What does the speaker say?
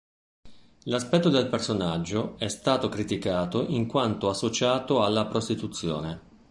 L'aspetto del personaggio è stato criticato in quanto associato alla prostituzione.